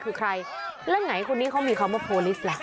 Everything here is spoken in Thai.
แล้วไงคนนี้เขามีคำว่าโพลิสแหละ